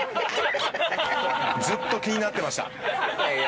ずっと気になってました。